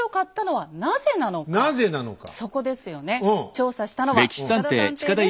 調査したのは近田探偵です。